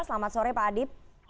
selamat sore pak adip